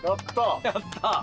やった。